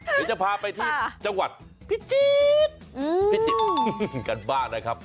เดี๋ยวจะพาไปที่จังหวัดพิจิตรพิจิตรกันบ้างนะครับ